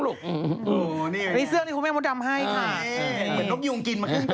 แล้วเธอยืนชุดเธอสวยมาก